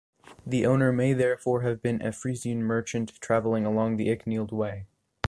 The owner may therefore have been a Frisian merchant travelling along the Icknield Way.